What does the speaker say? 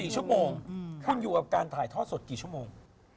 ๔ชั่วโมงคุณอยู่กับการถ่ายทอดสดกี่ชั่วโมง